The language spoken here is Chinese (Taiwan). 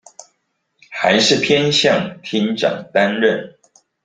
還是偏向廳長擔任